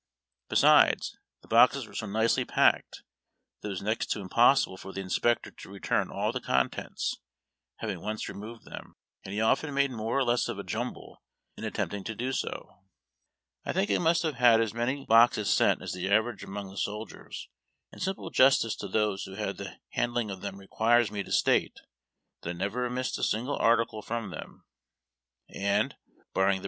Besides, the boxes were so nicely packed that it was next to impossible for the inspector to return all the contents, having once removed them ; and he often made more or less of a jumble in attem[)ting to do so. I think I 220 HARD TACK AND COFFEE. must have had as many boxes sent as tlie average aniong the soldiers, and simple justice to those who had the hand ling of them requires me to state that I never missed a single article from them, and, barring the br